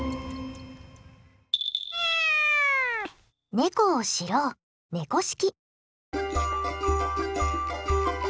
ネコを知ろう「猫識」。